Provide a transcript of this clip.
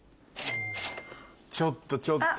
ちょっとちょっと。